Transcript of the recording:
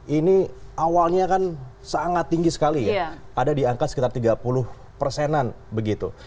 ini awalnya kan sangat tinggi sekali ya ada di angka sekitar tiga puluh persenan begitu